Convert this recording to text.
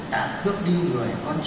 đã cướp đi người con trai